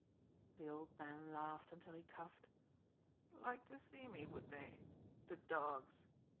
The old man laughed until he coughed. "Like to see me, would they? The dogs!"